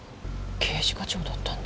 刑事課長だったんだ。